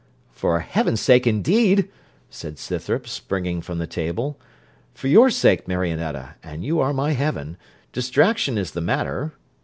'For heaven's sake, indeed!' said Scythrop, springing from the table; 'for your sake, Marionetta, and you are my heaven, distraction is the matter.